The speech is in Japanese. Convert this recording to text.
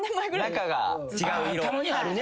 中が違う色。